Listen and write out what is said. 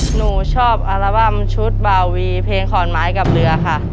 หนูชอบอัลบั้มชุดบาวีเพลงขอนไม้กับเรือค่ะ